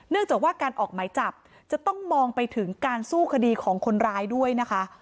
จากว่าการออกหมายจับจะต้องมองไปถึงการสู้คดีของคนร้ายด้วยนะคะ